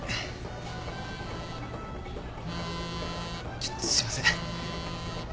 ちょっとすいません。